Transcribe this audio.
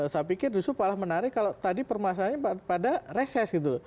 saya pikir justru malah menarik kalau tadi permasalahannya pada reses gitu loh